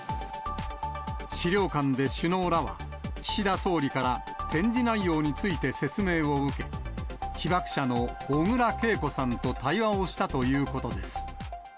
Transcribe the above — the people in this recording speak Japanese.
資料館で首脳らは、岸田総理から展示内容について説明を受け、被爆者の小倉桂子さんと対話をしたということです。